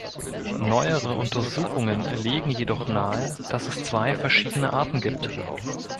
Neuere Untersuchungen legen jedoch nahe, dass es zwei verschiedene Arten gibt.